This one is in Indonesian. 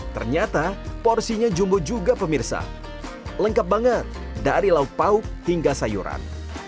ternyata porsinya jumbo juga pemirsa lengkap banget dari lauk pauk hingga sayuran